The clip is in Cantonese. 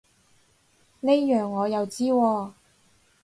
呢樣我又知喎